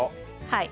はい。